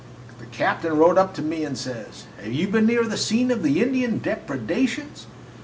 The captain rode up to me and says, 'Have you been near the scene of the Indian depredations?'